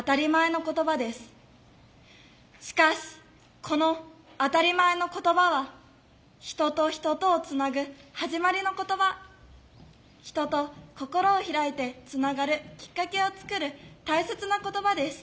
しかしこの「当たり前」の言葉は人と人とをつなぐ始まりの言葉人と心を開いてつながるきっかけを作る大切な言葉です。